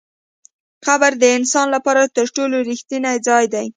قبر د انسان لپاره تر ټولو رښتینی ځای دی.